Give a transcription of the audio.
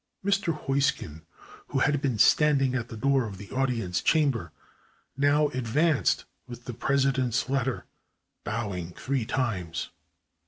Mr. Heusken, who had been standing at the door of the audience chamber, now advanced with the Presi dent's letter, bowing three times.